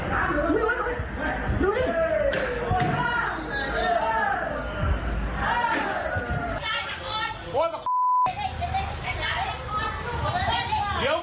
เดี๋ยวมือใจเอ๊ะไปจูบใต้ตรงกระม่วง